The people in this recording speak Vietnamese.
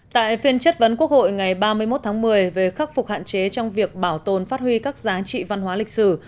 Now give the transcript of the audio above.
tại phiên chất vấn quốc hội ngày ba mươi một tháng một mươi về khắc phục hạn chế trong việc bảo tồn phát huy các giá trị văn hóa lịch sử